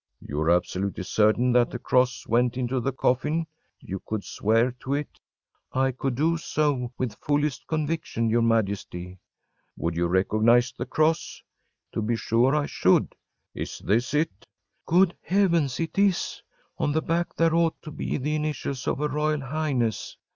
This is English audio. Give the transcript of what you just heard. ‚ÄĚ “You are absolutely certain that the cross went into the coffin? You could swear to it?‚ÄĚ “I could do so with fullest conviction, your Majesty.‚ÄĚ “Would you recognize the cross?‚ÄĚ “To be sure I should.‚ÄĚ “Is this it?‚ÄĚ “Good Heavens it is! On the back there ought to be the initials of her royal highness!